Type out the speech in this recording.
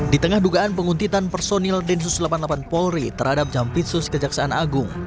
di tengah dugaan penguntitan personil densus delapan puluh delapan polri terhadap jampitsus kejaksaan agung